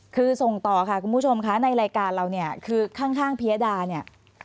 คือส่งต่อค่ะคุณผู้ชมคะในรายการเราเนี่ยคือข้างพิยดาเนี่ย